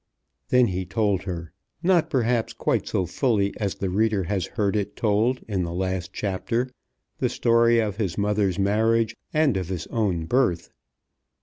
Then he told her, not, perhaps, quite so fully as the reader has heard it told in the last chapter, the story of his mother's marriage and of his own birth.